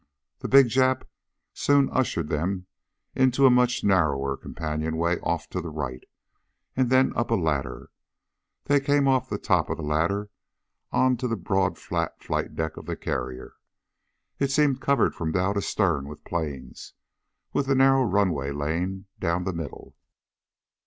The big Jap soon ushered them into a much narrower companionway off to the right, and then up a ladder. They came off the top of the ladder onto the broad flat flight deck of the carrier. It seemed covered from bow to stern with planes, with a narrow runway lane down the middle.